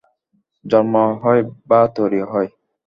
জন্মই হই বা তৈরি হই।